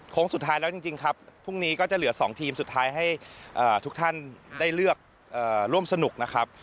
สุดท้ายแล้วจริงครับพรุ่งนี้ก็จะเหลือ๒ทีมสุดท้ายให้ทุกท่านได้เลือกร่วมสนุกนะครับ